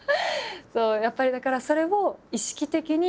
やっぱりだからそれを意識的に。